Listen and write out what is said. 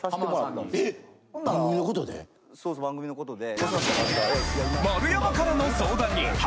そうです番組のことで。